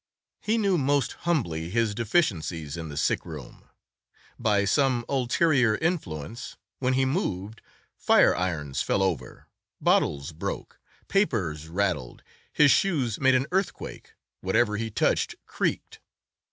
He knew, most humbly, his deficiencies in the sick room—by some ulterior influence when he moved fire irons fell over, bottles broke, papers rattled, his shoes made an earthquake, whatever he touched creaked.